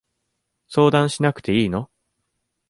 相談しなくていいの？